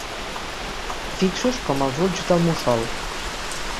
Fixos com els ulls del mussol.